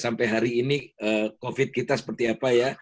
sampai hari ini covid kita seperti apa ya